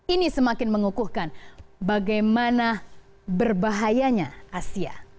ini semakin mengukuhkan bagaimana berbahayanya asia